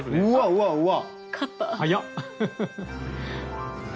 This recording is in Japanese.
うわうわ！